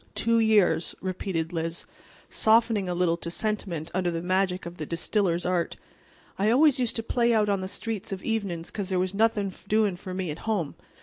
"Two years," repeated Liz, softening a little to sentiment under the magic of the distiller's art. "I always used to play out on the street of evenin's 'cause there was nothin' doin' for me at home.